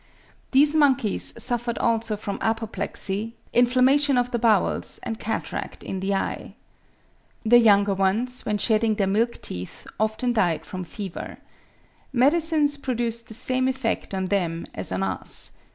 These monkeys suffered also from apoplexy, inflammation of the bowels, and cataract in the eye. The younger ones when shedding their milk teeth often died from fever. Medicines produced the same effect on them as on us.